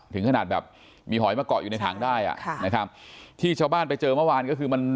ถึงขนาดแบบมีหอยมาเกาะอยู่ในถังได้อ่ะค่ะนะครับที่ชาวบ้านไปเจอเมื่อวานก็คือมัน